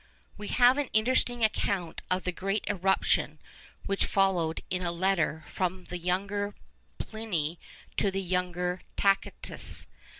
We have an interesting account of the great eruption which followed in a letter from the younger Pliny to the younger Tacitus.